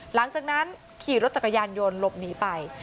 หลังจากนั้นขี่รถจักรยานยนต์หลบหนีไป